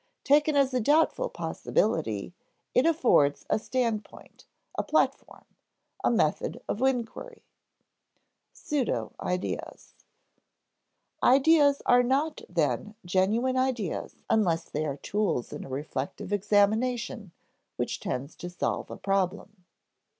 Taken as a doubtful possibility, it affords a standpoint, a platform, a method of inquiry. [Sidenote: Pseudo ideas] Ideas are not then genuine ideas unless they are tools in a reflective examination which tends to solve a problem.